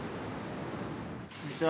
こんにちは。